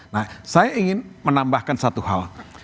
nah saya ingin menambahkan satu hal